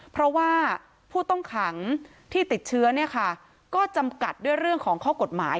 เพราะว่าผู้ต้องขังที่ติดเชื้อเนี่ยค่ะก็จำกัดด้วยเรื่องของข้อกฎหมาย